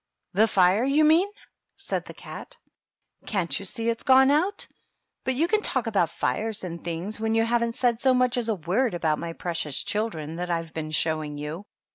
The fire, you mean^ said the cat. "Can't you see it's gone out? But you can talk about fires and things, when you haven't said so much as a word about my precious chil dren that I've been showing you.